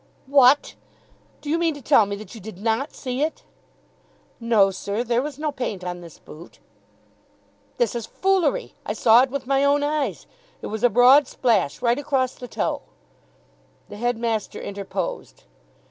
"What! Do you mean to tell me that you did not see it?" "No, sir. There was no paint on this boot." "This is foolery. I saw it with my own eyes. It was a broad splash right across the toe." The headmaster interposed.